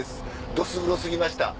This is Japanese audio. どす黒過ぎました。